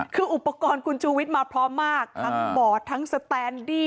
คืออุปกรณ์คุณชูวิทย์มาพร้อมมากทั้งบอร์ดทั้งสแตนดี้